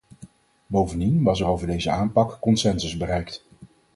Bovendien was er over deze aanpak consensus bereikt.